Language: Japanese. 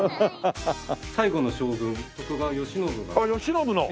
最後の将軍徳川慶喜が。